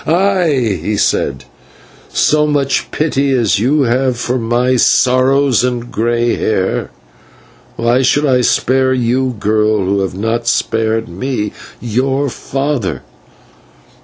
"Ay!" he said, "so much pity as you have for my sorrows and grey hair. Why should I spare you, girl, who have not spared me, your father.